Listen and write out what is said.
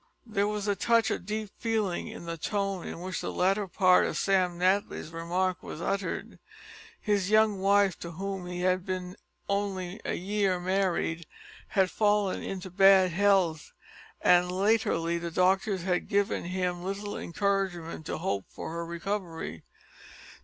There was a touch of deep feeling in the tone in which the latter part of Sam Natly's remark was uttered. His young wife, to whom he had been only a year married, had fallen into bad health, and latterly the doctors had given him little encouragement to hope for her recovery.